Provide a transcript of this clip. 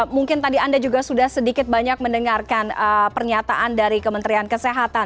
mungkin tadi anda juga sudah sedikit banyak mendengarkan pernyataan dari kementerian kesehatan